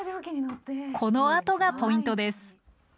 このあとがポイントです！